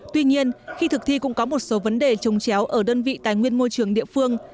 tuy nhiên khi thực thi cũng có một số vấn đề trồng chéo ở đơn vị tài nguyên môi trường địa phương